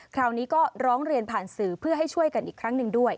คราวนี้ก็ร้องเรียนผ่านสื่อเพื่อให้ช่วยกันอีกครั้งหนึ่งด้วย